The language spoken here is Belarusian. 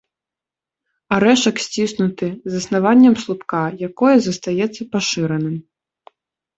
Арэшак сціснуты, з аснаваннем слупка, якое застаецца пашыраным.